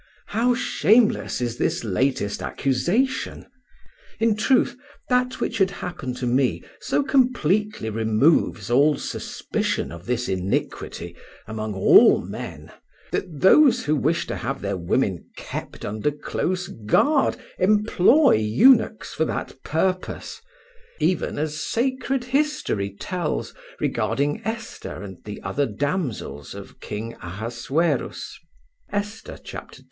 How shameless is this latest accusation! In truth that which had happened to me so completely removes all suspicion of this iniquity among all men that those who wish to have their women kept under close guard employ eunuchs for that purpose, even as sacred history tells regarding Esther and the other damsels of King Ahasuerus (Esther ii, 5).